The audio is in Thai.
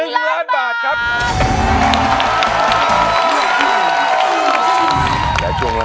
๑ล้านบาทครับ